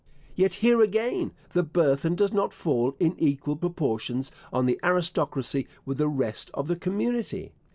Yet here again the burthen does not fall in equal proportions on the aristocracy with the rest of the community.